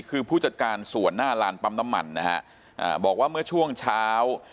คือผู้จัดการส่วนหน้าลานปั๊มน้ำมันนะฮะอ่าบอกว่าเมื่อช่วงเช้า